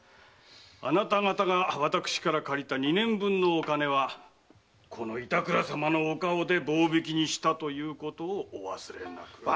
あなた方が私から借りた二年分のお金はこの板倉様のお顔で棒引きにしたということをお忘れなく。